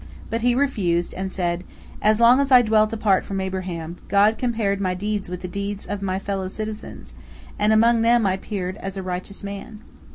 But he refused, and said: "As long as I dwelt apart from Abraham, God compared my deeds with the deeds of my fellow citizens, and among them I appeared as a righteous man.